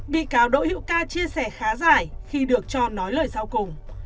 bị cáo đội hiệu ca chia sẻ khá dài khi được cho nói lời sau cùng